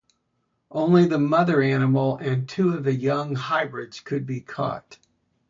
Only the mother animal and two of the young hybrids could be caught.